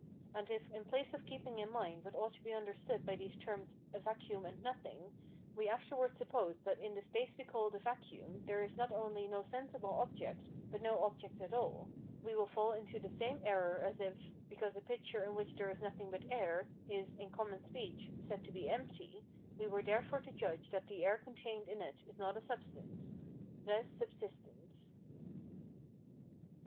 And if, in place of keeping in mind what ought to be understood by these terms a vacuum and nothing, we afterwards suppose that in the space we called a vacuum, there is not only no sensible object, but no object at all, we will fall into the same error as if, because a pitcher in which there is nothing but air, is, in common speech, said to be empty, we were therefore to judge that the air contained in it is not a substance (RES SUBSISTENS). XVIII.